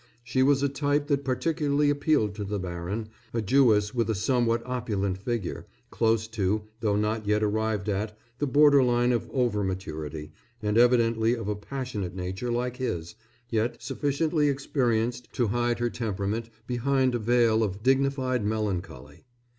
She was a type that particularly appealed to the baron, a Jewess with a somewhat opulent figure, close to, though not yet arrived at, the borderline of overmaturity, and evidently of a passionate nature like his, yet sufficiently experienced to hide her temperament behind a veil of dignified melancholy.